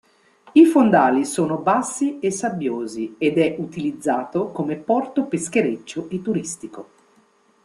I fondali sono bassi e sabbiosi ed è utilizzato come porto peschereccio e turistico.